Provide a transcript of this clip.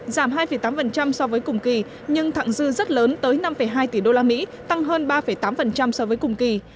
giảm hai tám so với cùng kỳ nhưng thẳng dư rất lớn tới năm hai tỷ đô la mỹ tăng hơn ba tám so với cùng kỳ